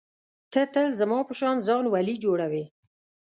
ته تل زما په شان ځان ولي جوړوې.